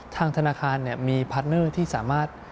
ทางธนาคารมีพาร์ทเนอร์ที่สามารถ